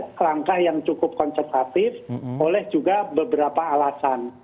ada langkah yang cukup konservatif oleh juga beberapa alasan